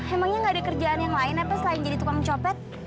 emangnya nggak ada kerjaan yang lain apa selain jadi tukang copet